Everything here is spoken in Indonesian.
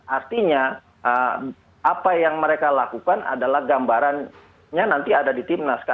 artinya apa yang mereka lakukan adalah gambarannya nanti ada di timnas